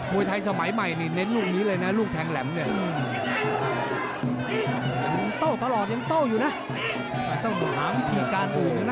บรวยไทยสมัยใหม่เน้นลูกแทงแหลมเลยนะ